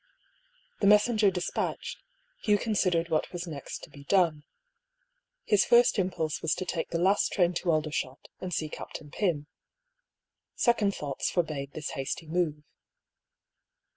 The messenger despatched, Hugh considered what was next to be done. His first impulse was to take the last train to Aldershot, and see Captain Pym. Second thoughts forbade this hasty move.